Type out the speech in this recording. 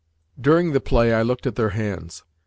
During the play, I looked at their hands.